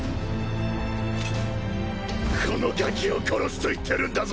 このガキを殺すと言ってるんだぞ！